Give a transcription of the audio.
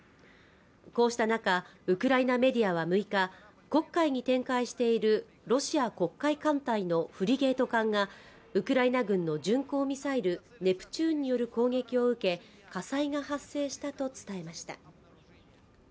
こうした中ウクライナメディアは６日黒海に展開しているロシア黒海艦隊のフリゲート艦がウクライナ軍の巡航ミサイルネプチューンによる攻撃を受け火災が発生したと伝えました